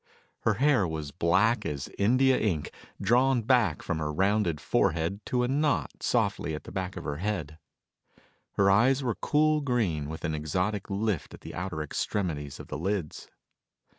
Her hair was black as India ink, drawn back from her rounded forehead to knot softly at the back of her head. Her eyes were cool green with an exotic lift at the outer extremities of the lids.